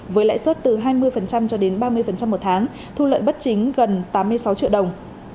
với lãi suất từ hai mươi cho đến ba mươi một tháng thu lợi bất chính gần tám mươi sáu triệu đồng